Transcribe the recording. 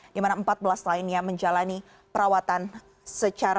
di mana empat belas lainnya menjalani perawatan secara